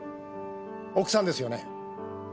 奥さんですよね。